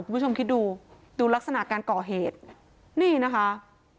คุณผู้ชมคิดดูดูลักษณะการก่อเหตุนี่นะคะ